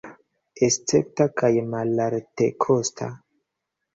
Escepta kaj malaltekosta.